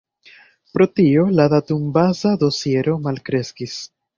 Pro tio la datumbaza dosiero malkreskis.